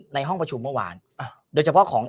ในห้องประชุมเมื่อวานโดยเฉพาะของ